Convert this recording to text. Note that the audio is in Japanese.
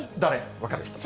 分かる人。